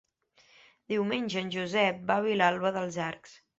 Diumenge en Josep va a Vilalba dels Arcs.